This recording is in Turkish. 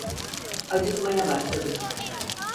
Acıkmaya başladım.